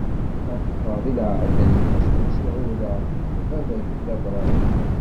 Ad ṭṭfeɣ di lɛehd-nni swayes i ɛuhdeɣ baba-k Dda Bṛahim.